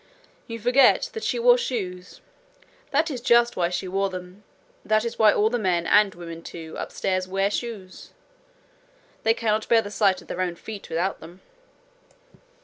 'You forget that she wore shoes. That is just why she wore them. That is why all the men, and women too, upstairs wear shoes. They can't bear the sight of their own feet without them.'